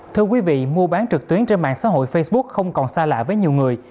thưa quý vị mua bán trực tuyến trên mạng xã hội facebook không còn xa lạ với nhiều người